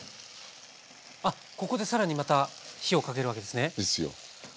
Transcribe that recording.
あっここで更にまた火をかけるわけですね。ですようん。